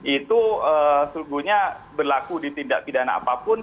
itu sejujurnya berlaku ditindak pidana apapun